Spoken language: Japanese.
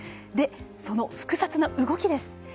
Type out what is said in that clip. でその複雑な動きです。